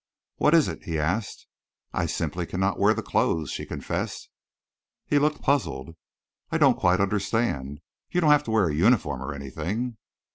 "What is it?" he asked. "I simply cannot wear the clothes," she confessed. He looked puzzled. "I don't quite understand. You don't have to wear a uniform or anything."